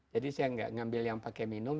jadi saya enggak ambil yang pakai minum